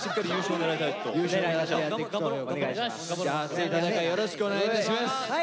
続いてよろしくお願いいたします。